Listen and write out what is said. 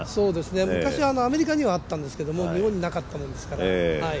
昔アメリカにはあったんですけど、日本になかったものですから。